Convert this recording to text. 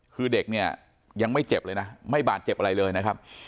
คือเด็กเนี่ยยังไม่เจ็บเลยนะไม่บาดเจ็บอะไรเลยนะครับ